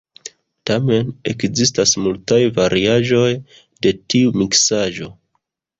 Tamen ekzistas multaj variaĵoj de tiu miksaĵo.